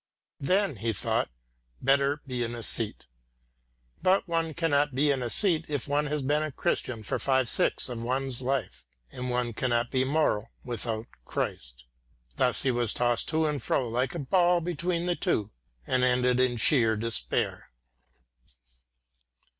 "Then," he thought, "better be an æsthete." But one cannot be an æsthete if one has been a Christian for five sixths of one's life, and one cannot be moral without Christ. Thus he was tossed to and fro like a ball between the two, and ended in sheer despair.